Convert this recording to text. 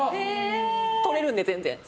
取れるんで、全然。